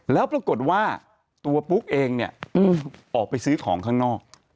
แล้วปรากฏว่าตัวปุ๊กเองเนี่ยออกไปซื้อของข้างนอก